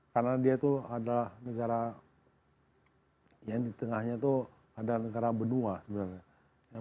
karena dia itu adalah negara yang di tengahnya itu adalah negara benua sebenarnya